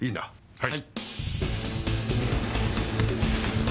はい。